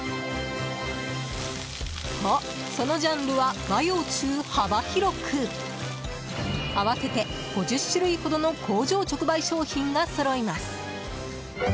と、そのジャンルは和洋中幅広く合わせて５０種類ほどの工場直売商品がそろいます。